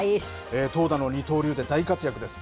投打の二刀流で大活躍です。